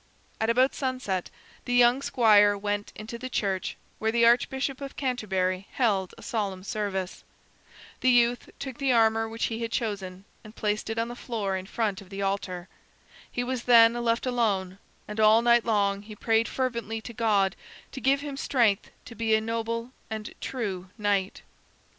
At about sunset the young squire went into the church, where the Archbishop of Canterbury held a solemn service. The youth took the armor which he had chosen, and placed it on the floor in front of the altar. He was then left alone, and all night long he prayed fervently to God to give him strength to be a noble and true knight.